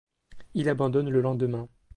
Il abandonne le lendemain.